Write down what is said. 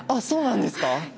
そうなんですか！